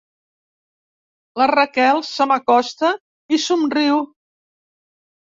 La Raquel se m'acosta i somriu.